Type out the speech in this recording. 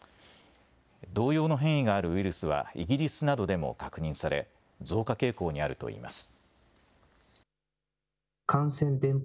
同様の変異があるウイルスはイギリスなどでも確認され増加傾向にあるといいます。